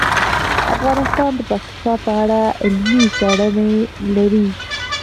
افغانستان د پکتیکا په اړه علمي څېړنې لري.